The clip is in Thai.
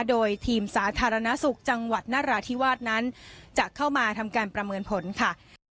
โดยทีมสาธารณสุขจังหวัดนราธิวาสนั้นจะเข้ามาทำการประเมินผลค่ะ